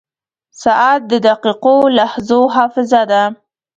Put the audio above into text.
• ساعت د دقیقو لحظو حافظه ده.